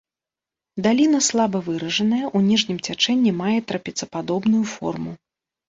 Даліна слаба выражаная, у ніжнім цячэнні мае трапецападобную форму.